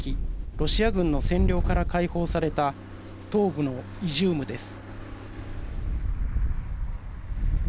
ロシア軍の占領から解放された東部のイジュームです。